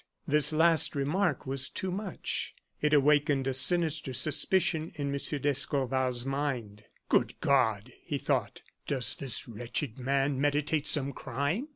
This last remark was too much; it awakened a sinister suspicion in M. d'Escorval's mind. "Good God!" he thought, "does this wretched man meditate some crime?"